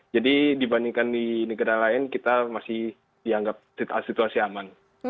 jadi dibandingkan di negara lain kita masih dianggap situasi aman